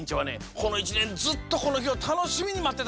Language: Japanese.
この１ねんずっとこのひをたのしみにまってたの。